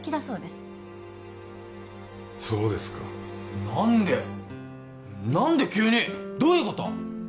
そうですか何で何で急にどういうこと？